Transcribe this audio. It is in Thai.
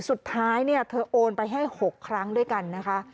สุดท้ายเนี่ยเธอโอนไปให้๖ครั้งด้วยกันนะคะ